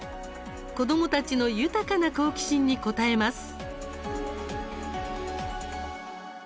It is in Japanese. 子どもたちの豊かな好奇心に応えます。